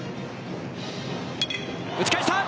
打ち返した！